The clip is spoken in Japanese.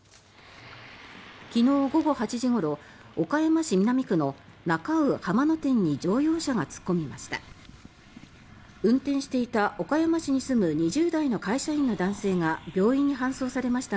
昨日午後８時ごろ、岡山市南区のなか卯浜野店に乗用車が突っ込みました。